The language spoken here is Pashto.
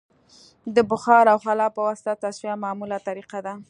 د بخار او خلا په واسطه تصفیه معموله طریقه ده